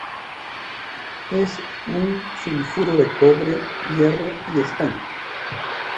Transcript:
Es un sulfuro de cobre, hierro y estaño.